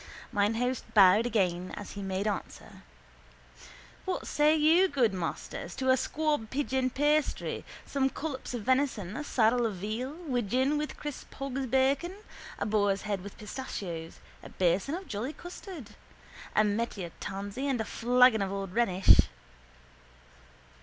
Mine host bowed again as he made answer: —What say you, good masters, to a squab pigeon pasty, some collops of venison, a saddle of veal, widgeon with crisp hog's bacon, a boar's head with pistachios, a bason of jolly custard, a medlar tansy and a flagon of old Rhenish?